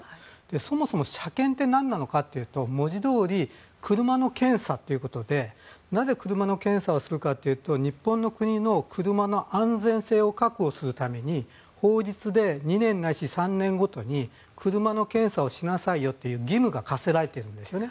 そもそも車検ってなんなのかというと文字どおり車の検査ということでなぜ車の検査をするかというと日本の国の車の安全性を確保するために法律で２年ないし３年ごとに車の検査をしなさいよという義務が課せられているんですね。